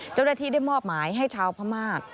เจ้าหน้าที่ได้มอบหมายให้ชาวพม่า